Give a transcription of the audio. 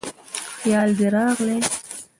خیال دې راغلی